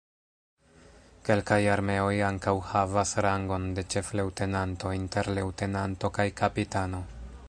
Kelkaj armeoj ankaŭ havas rangon de ĉef-leŭtenanto inter leŭtenanto kaj kapitano.